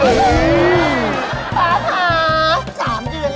อาหารการกิน